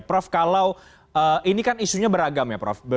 prof kalau ini kan isunya beragam ya prof